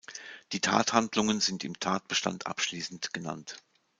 Die Tathandlungen sind im Tatbestand abschließend genannt.